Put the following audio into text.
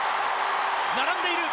並んでいる！